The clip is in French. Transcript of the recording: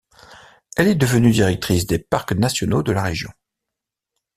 Elle est devenue directrice des Parcs nationaux de la région.